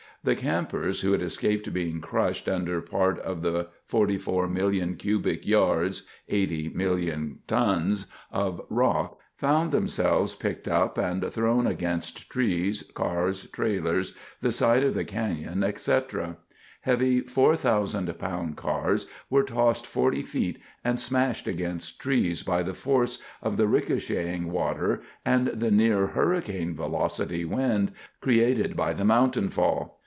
The campers who'd escaped being crushed under part of the 44 million cubic yards (80 million tons) of rock found themselves picked up and thrown against trees, cars, trailers, the side of the canyon, etc. Heavy, 4,000 pound cars were tossed 40 ft. and smashed against trees by the force of the ricocheting water and the near hurricane velocity wind created by the mountainfall.